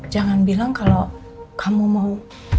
jangan bilang kalau kamu mau